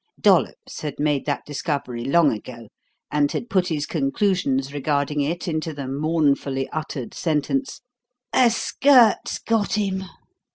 Dollops had made that discovery long ago and had put his conclusions regarding it into the mournfully uttered sentence: "A skirt's got him!"